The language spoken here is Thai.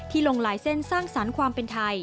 ลงลายเส้นสร้างสรรค์ความเป็นไทย